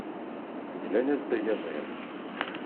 Zlan-as-d ayaziḍ.